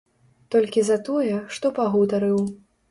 Толькі за тое, што пагутарыў.